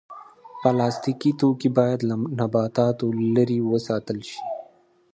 پلاستيکي توکي باید له نباتاتو لرې وساتل شي.